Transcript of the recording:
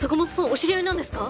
お知り合いなんですか？